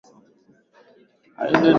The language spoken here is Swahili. eida daquna maarufu kama nani